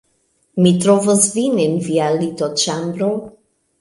Mi trovos vin en via litoĉambro